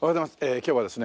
今日はですね